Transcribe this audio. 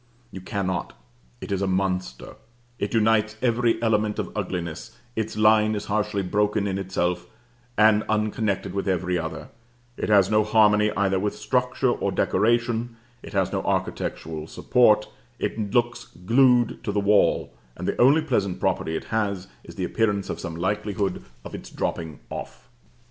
You cannot. It is a monster. It unites every element of ugliness, its line is harshly broken in itself, and unconnected with every other; it has no harmony either with structure or decoration, it has no architectural support, it looks glued to the wall, and the only pleasant property it has, is the appearance of some likelihood of its dropping off.